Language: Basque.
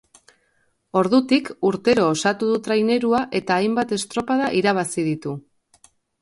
Ordutik urtero osatu du trainerua eta hainbat estropada irabazi ditu.